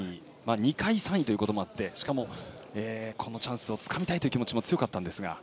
２回、３位ということもあってこのチャンスをつかみたいという気持ちも強かったんですが。